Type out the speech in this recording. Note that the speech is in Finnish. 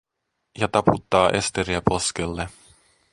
Ja taputtaa Esteriä poskelle.